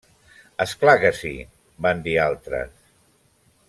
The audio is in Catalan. -És clar que sí!- van dir altres.